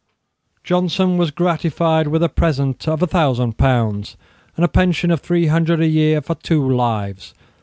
Johnson was gratified with a present of a thousand pounds, and a pension of three hundred a year for two lives.